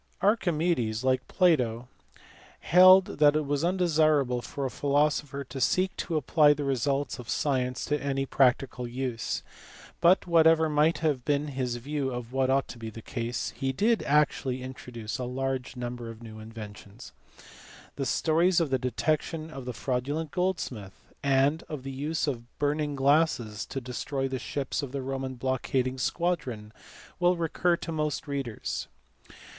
Archimedes, like Plato, held that it, was undesirable for a philosopher to seek to apply the results of science to any practical use ; but, whatever might have been his view of what ought to be the case, he did actually introduce a large number of new inventions. The stories of the detection of the fraudu lent goldsmith and of the use of burning glasses to destroy the ships of the Roman blockading squadron will recur to most readers.